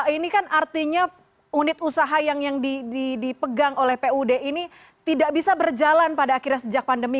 ini kan artinya unit usaha yang dipegang oleh pud ini tidak bisa berjalan pada akhirnya sejak pandemi